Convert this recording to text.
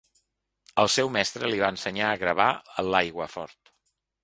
El seu mestre li va ensenyar a gravar a l'aiguafort.